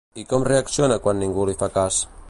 I com reacciona quan ningú li fa cas?